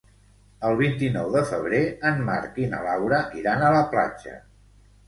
El vint-i-nou de febrer en Marc i na Laura iran a la platja.